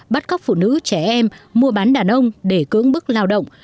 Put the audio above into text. bắt cóc phụ nữ trẻ em mua bán đàn ông để cưỡng bức lao động